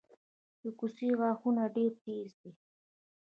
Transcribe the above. د کوسې غاښونه ډیر تېز دي